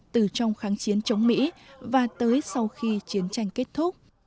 từ trong kháng chiến chống mỹ và tới sau khi chiến tranh kết thúc